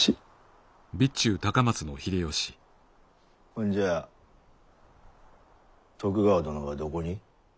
ほんじゃあ徳川殿はどこに？